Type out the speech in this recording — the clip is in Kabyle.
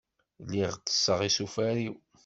Lliɣ tesseɣ isufar-iw.